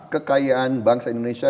kekayaan bangsa indonesia